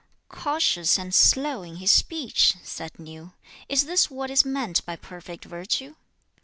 'Cautious and slow in his speech!' said Niu; 'is this what is meant by perfect virtue?'